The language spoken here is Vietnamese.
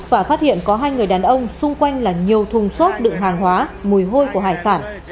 và phát hiện có hai người đàn ông xung quanh là nhiều thùng xốp đựng hàng hóa mùi hôi của hải sản